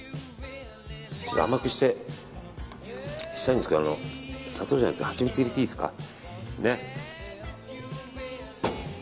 ちょっと甘くしたいんですけど砂糖じゃなくてハチミツ入れていいですか。